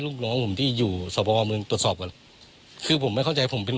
ลูกน้องผมที่อยู่สพเมืองตรวจสอบก่อนคือผมไม่เข้าใจผมเป็น